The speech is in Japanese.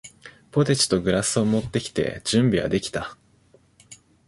ポテチとグラスを持ってきて、準備はできた。